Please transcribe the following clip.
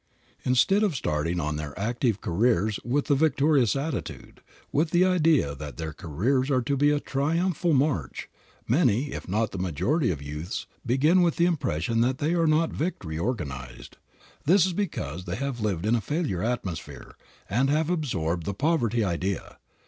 Instead of starting on their active careers with the victorious attitude, with the idea that their careers are to be a triumphal march, many, if not the majority of youths, begin with the impression that they are not victory organized. This is because they have lived in a failure atmosphere, and have absorbed the poverty idea.